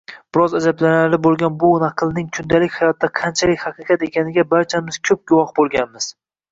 Biroz ajablanarli boʻlgan bu naqlning kundalik hayotda qanchalik haqiqat ekaniga barchamiz koʻp guvoh boʻlganmiz